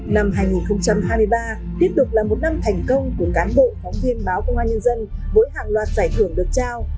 năm hai nghìn hai mươi ba tiếp tục là một năm thành công của cán bộ phóng viên báo công an nhân dân với hàng loạt giải thưởng được trao